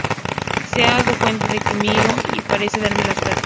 Se ha dado cuenta de que lo miro y parece darme las gracias.